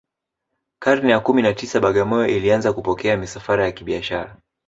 karne ya kumi na tisa bagamoyo ilianza kupokea misafara ya kibiashara